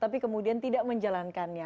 tapi kemudian tidak menjalankannya